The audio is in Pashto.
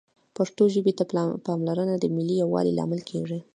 پښتو ژبې ته پاملرنه د ملي یووالي لامل کېږي